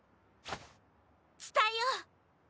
伝えよう！